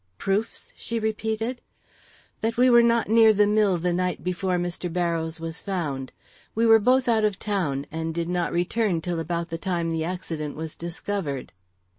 "Proofs?" she repeated. "That we were not near the mill the night before Mr. Barrows was found. We were both out of town, and did not return till about the time the accident was discovered."